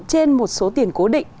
trên một số tiền cố định